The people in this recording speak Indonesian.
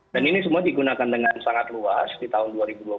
dan ini semua digunakan dengan sangat luas di tahun dua ribu dua puluh